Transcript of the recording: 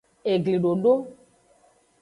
Eglidodo.